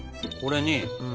これに。